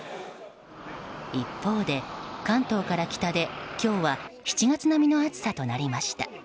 一方で関東から北で今日は７月並みの暑さとなりました。